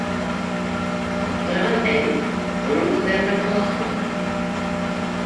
Аптыраған Әйүп уның һүҙҙәренә ҡолаҡ һалды: